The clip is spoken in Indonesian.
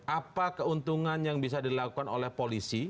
apa keuntungan yang bisa dilakukan oleh polisi